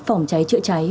phòng cháy chữa cháy